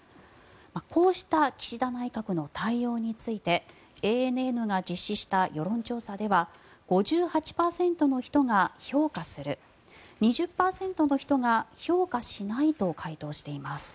こうした岸田内閣の対応についてＡＮＮが実施した世論調査では５８％の人が評価する２０％の人が評価しないと回答しています。